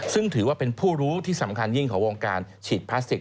ซึ่งถือว่าเป็นผู้รู้ที่สำคัญยิ่งของวงการฉีดพลาสติก